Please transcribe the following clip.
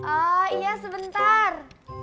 oh iya sebentar